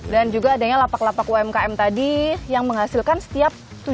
dan juga adanya lapak lapak umkm tadi yang menghasilkan setiap tujuh hari